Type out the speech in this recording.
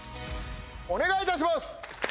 お願いいたします